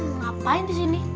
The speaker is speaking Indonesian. ngapain di sini